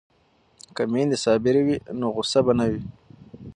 که میندې صابرې وي نو غوسه به نه وي.